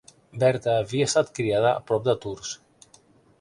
Berta havia estat criada a prop de Tours.